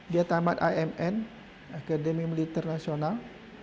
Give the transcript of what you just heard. dia tamat amn akademi militer nasional